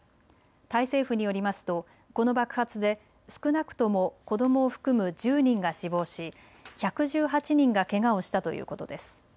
タイ政府によりますとこの爆発で少なくとも子どもを含む１０人が死亡し１１８人がけがをしたということです。